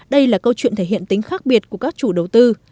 đây là câu chuyện thể hiện tính khác biệt của các chủ đầu tư